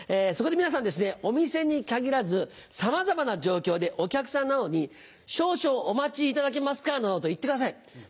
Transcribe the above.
そこで皆さんお店に限らずさまざまな状況でお客さんなどに「少々お待ちいただけますか？」などと言ってください。